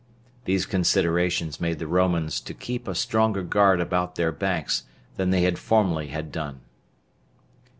These considerations made the Romans to keep a stronger guard about their banks than they formerly had done.